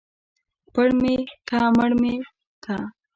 پړ مى که مړ مى که.